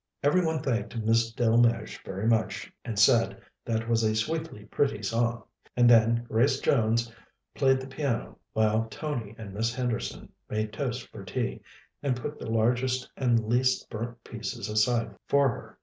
Every one thanked Miss Delmege very much, and said that was a sweetly pretty song; and then Grace Jones played the piano while Tony and Miss Henderson made toast for tea and put the largest and least burnt pieces aside for her.